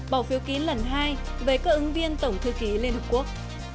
bảo phiếu ký lần hai về cơ ứng viên tổng thư ký lkđ